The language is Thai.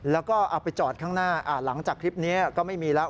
แล้วก็เอาไปจอดข้างหน้าหลังจากคลิปนี้ก็ไม่มีแล้ว